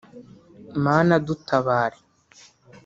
Mana dutabare